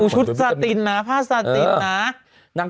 ชุดซาตินนะผ้าซาตินนะ